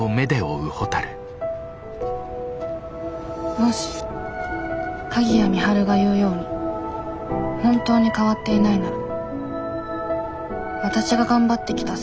もし鍵谷美晴が言うように本当に変わっていないならわたしが頑張ってきた３年って何だったの？